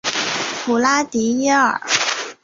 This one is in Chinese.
普拉迪耶尔。